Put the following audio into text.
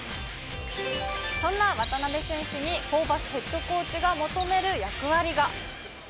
そんな渡邊選手にホーバスヘッドコーチが求める役割が。